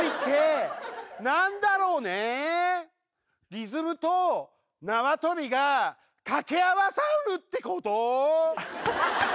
リズムと縄跳びが掛け合わさるってこと？